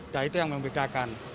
dan itu yang membedakan